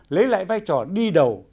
lấy lại vai trò đi đầu